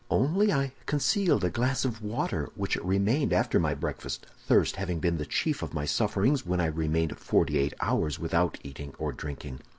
"Only I concealed a glass of water, which remained after my breakfast, thirst having been the chief of my sufferings when I remained forty eight hours without eating or drinking.